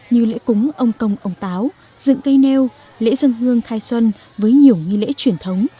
như lễ cúng ông công ông táo dựng cây nêu lễ dân hương khai xuân với nhiều nghi lễ truyền thống